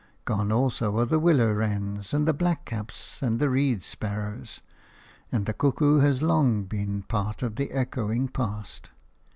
Gone also are the willow wrens and the blackcaps and the reed sparrows, and the cuckoo has long been part of the echoing past.